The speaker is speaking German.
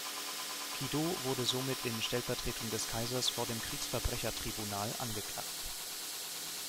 Kido wurde somit in Stellvertretung des Kaisers vor dem Kriegsverbrechertribunal angeklagt.